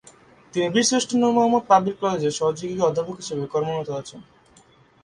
তিনি বীরশ্রেষ্ঠ নূর মোহাম্মদ পাবলিক কলেজের সহযোগী অধ্যাপক হিসেবেও কর্মরত আছেন।